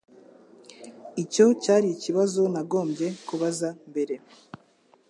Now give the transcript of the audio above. Icyo cyari ikibazo nagombye kubaza mbere.